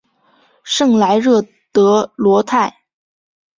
圣莱热德罗泰。